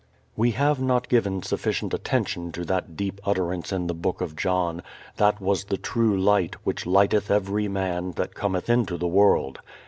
We have not given sufficient attention to that deep utterance in the Book of John, "That was the true Light, which lighteth every man that cometh into the world."